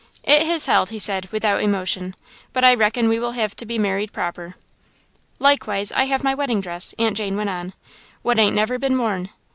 "It has held," he said, without emotion, "but I reckon we will hev to be merried proper." "Likewise I have my weddin' dress," Aunt Jane went on, "what ain't never been worn.